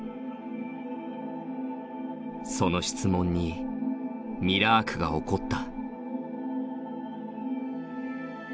その質問にミラークが怒った。